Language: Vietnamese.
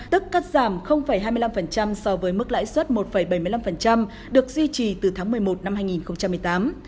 tức cắt giảm hai mươi năm so với mức lãi suất một bảy mươi năm được duy trì từ tháng một mươi một năm hai nghìn một mươi tám